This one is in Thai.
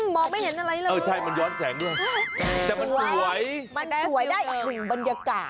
บอกไม่เห็นอะไรเลยเหรอวะแต่มันสวยมันได้สิ้วเกินมันสวยได้อีกหนึ่งบรรยากาศ